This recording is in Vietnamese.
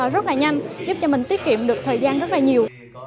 rất là nhanh giúp cho mình tiết kiệm được thời gian rất là nhiều